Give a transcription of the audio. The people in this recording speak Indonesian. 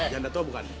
janda tua bukan